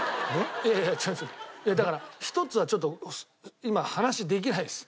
いやだから１つはちょっと今話できないです。